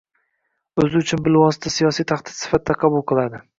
o‘zi uchun bilvosita siyosiy tahdid sifatida qabul qiladi.